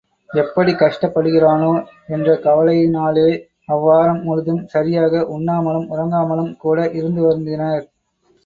எப்படிக் கஷ்டப்படுகிறானோ? — என்ற கவலையினாலே அவ்வாரம் முழுதும் சரியாக உண்ணாமலும் உறங்காமலுங் கூட இருந்து வருந்தினார்.